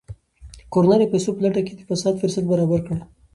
کرونا د پیسو په لټه کې د فساد فرصت برابر کړی.